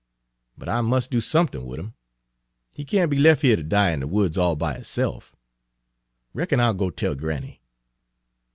But I mus' do somethin' wid 'im. He can't be lef' here ter die in de woods all by hisse'f. Reckon I'll go an' tell granny."